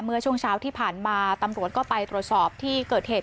เมื่อช่วงเช้าที่ผ่านมาตำรวจก็ไปตรวจสอบที่เกิดเหตุ